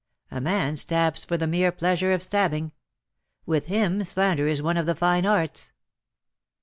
A man stabs for the mere pleasure of stabbing. With him slander is one of the fine arts.